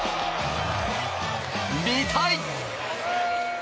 見たい！